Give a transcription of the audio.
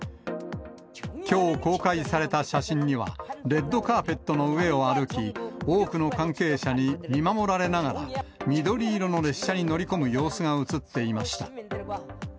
きょう公開された写真には、レッドカーペットの上を歩き、多くの関係者に見守られながら、緑色の列車に乗り込む様子が写っていました。